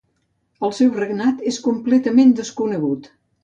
El seu regnat és completament desconegut.